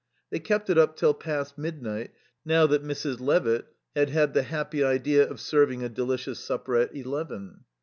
They kept it up till past midnight now that Mrs. Levitt had had the happy idea of serving a delicious supper at eleven.